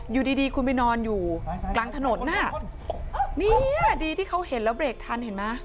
อยู่ดีดีคุณไปนอนอยู่กลางถนนน่ะเนี่ยดีที่เขาเห็นแล้วเบรกทันเห็นไหม